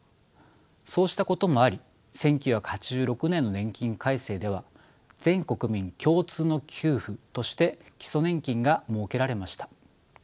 そうしたこともあり１９８６年の年金改正では全国民共通の給付として基礎年金が設けられました。